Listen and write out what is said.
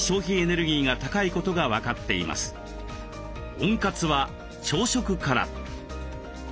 温活は朝食から！